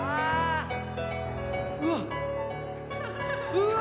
うわ！